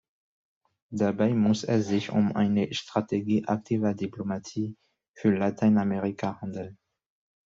Dabei muss es sich um eine Strategie aktiver Diplomatie für Lateinamerika handeln.